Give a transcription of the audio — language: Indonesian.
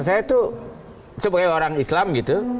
saya tuh sebagai orang islam gitu